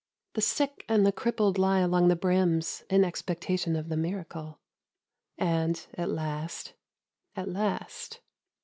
The sick and the crippled lie along the brims in expecta tion of the miracle. And at last, at last